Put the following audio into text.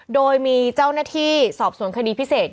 โดยมีเจ้าหน้าที่สอบสวนคดีพิเศษ